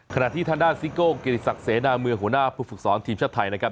ขณะที่ทางด้านซิโก้กิติศักดิ์เสนาเมืองหัวหน้าผู้ฝึกสอนทีมชาติไทยนะครับ